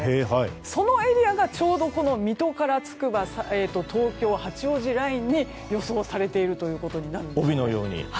そのエリアがちょうど水戸からつくば東京、八王子ラインに予想されているということです。